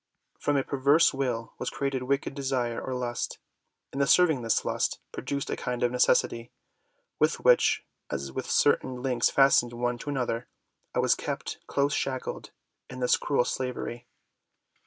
From a perverse will was created wicked desire or lust, and the serving this lust produced a kind of necessity, with which as with certain links fastened one to another I was kept close shackled in this cruel slavery."